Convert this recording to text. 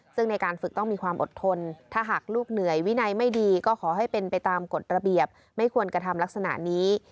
ซึ่งในการฝึกต้องมีความอดทนถ้าหากลูกเหนื่อยวินัยไม่ดีก็ขอให้เป็นไปตามกฎระเบียบไม่ควรกระทำลักษณะนี้